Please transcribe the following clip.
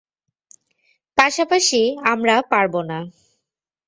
পাশাপাশি, আমরা পারবোনা।